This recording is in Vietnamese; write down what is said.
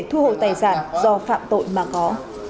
thu hộ tài sản do phạm tội mà có